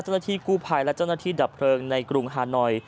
เจ้าหน้าที่กู้ภัยและเจ้าหน้าที่ดับเพลิงในกรุงฮานอย